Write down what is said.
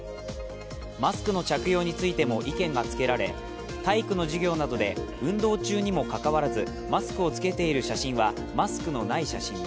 マスクの着用についても意見がつけられ、体育の授業などで運動中にもかかわらず、マスクを着けている写真はマスクのない写真。